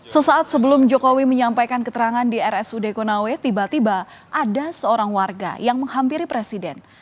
sesaat sebelum jokowi menyampaikan keterangan di rsud konawe tiba tiba ada seorang warga yang menghampiri presiden